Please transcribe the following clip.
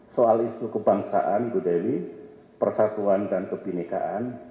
soal isu kebangsaan budewi persatuan dan kebinikan